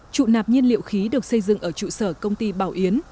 trụ nạp nhiên liệu khí được xây dựng ở trụ sở công ty bảo yến